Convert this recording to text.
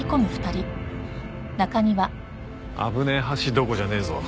危ねえ橋どころじゃねえぞ。